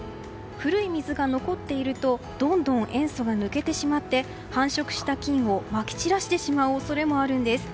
古い水が残っているとどんどん塩素が抜けてしまって繁殖した菌をまき散らしてしまう恐れがあるんです。